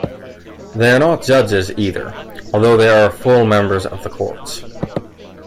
They are not judges either, although they are full members of the courts.